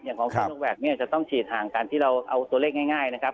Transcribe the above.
อย่างของพฤษภาพมิทุนาครับจะต้องฉีดห่างการที่เราเอาตัวเลขง่ายนะครับ